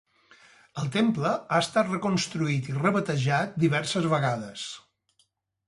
El temple ha estat reconstruït i rebatejat diverses vegades.